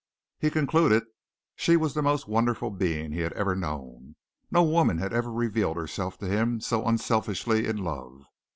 He concluded she was the most wonderful being he had ever known. No woman had ever revealed herself to him so unselfishly in love.